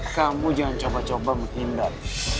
kamu jangan coba coba menghindar